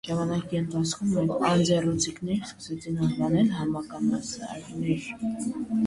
Ժամանակի ընթացքում այդ անձեռոցիկներն սկսեցին անվանել համակամասարներ։